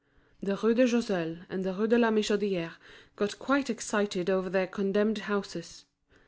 The Rue de Choiseul and the Rue de la Michodière got quite excited over their condemned houses.